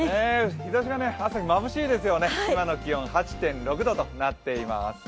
日ざしがね、朝日まぶしいですよね、今の気温、８．６度となっています。